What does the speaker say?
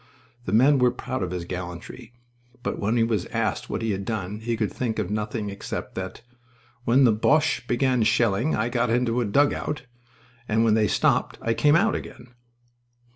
The men were proud of his gallantry, but when he was asked what he had done he could think of nothing except that "when the Boches began shelling I got into a dugout, and when they stopped I came out again."